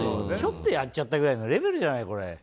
ちょっとやっちゃったくらいのレベルじゃない、これ。